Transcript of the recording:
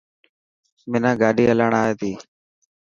منان گاڏي هلائڻ آي ٿي.